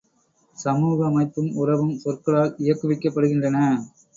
சமூக அமைப்பும் உறவும் சொற்களால் இயக்குவிக்கப்படுகின்றன.